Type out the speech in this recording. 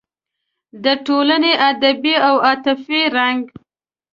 د ټولنې ادبي او عاطفي رنګ